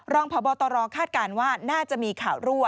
รองพบตรคาดการณ์ว่าน่าจะมีข่าวรั่ว